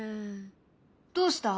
どうした？